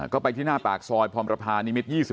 ก็ไปที่หน้าปากซอยพรพานิเมตร๒๑นะครับ